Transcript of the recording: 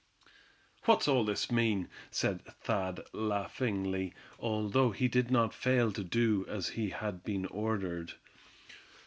"What's all this mean?" said Thad, laughingly, although he did not fail to do as he had been ordered.